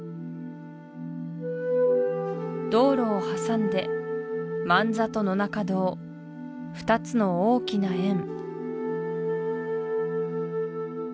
道路を挟んで万座と野中堂２つの大きな円